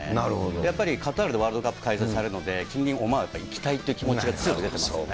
やっぱりカタールでワールドカップ開催されるので、近隣、オマーンに行きたいっていう気持ちが強く出てましたね。